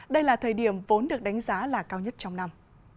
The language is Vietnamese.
đây là thời điểm vốn được đánh giá là cao nhất trong năm